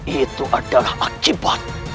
itu adalah akibat